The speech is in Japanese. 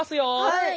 はい。